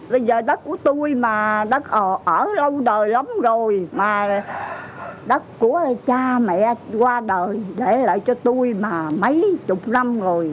bây giờ đất của tôi mà đất ở lâu đời lắm rồi mà đất của cha mẹ qua đời để lại cho tôi mà mấy chục năm rồi